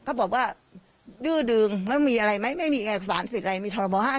เขาบอกว่าดื้อดึงไม่มีอะไรไหมไม่มีเอกสารสิทธิ์อะไรมีทรบ๕๐